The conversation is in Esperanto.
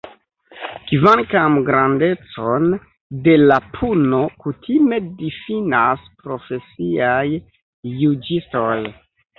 Kvankam grandecon de la puno kutime difinas profesiaj juĝistoj.